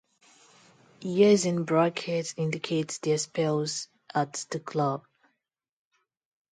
Years in brackets indicate their spells at the club.